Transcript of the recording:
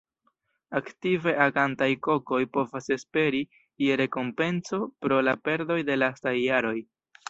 Aktive agantaj Kokoj povas esperi je rekompenco pro la perdoj de lastaj jaroj.